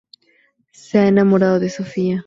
Se ha enamorado de Sofía.